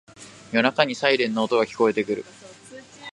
夜中にサイレンの音が聞こえてくる